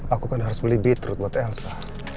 aku kan harus beli beatrut buat elsa